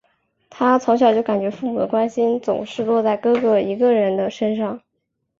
她从小就感觉父母的关心总是落在哥哥一个人的身上。